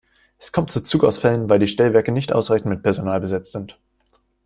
Es kommt zu Zugausfällen, weil die Stellwerke nicht ausreichend mit Personal besetzt sind.